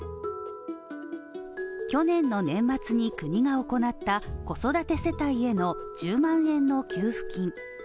去年の年末に国が行った子育て世帯への１０万円の給付金。